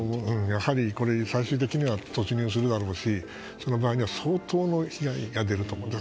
最終的には突入するだろうしその場合には相当の被害が出ると思います。